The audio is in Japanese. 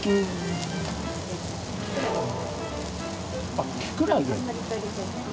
あっきくらげ。